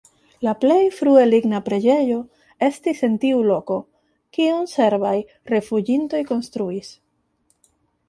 La plej frue ligna preĝejo estis en tiu loko, kiun serbaj rifuĝintoj konstruis.